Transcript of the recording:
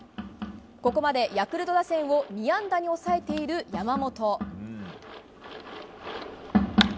ここまでヤクルト打線を２安打に抑えている山本。